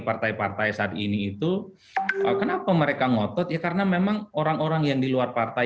partai partai saat ini itu kenapa mereka ngotot ya karena memang orang orang yang di luar partai